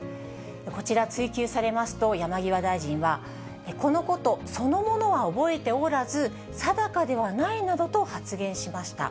こちら、追及されますと、山際大臣は、このことそのものは覚えておらず、定かではないなどと発言しました。